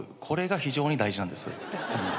これが非常に大事なんです。